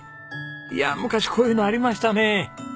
いや昔こういうのありましたね。